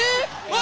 わ！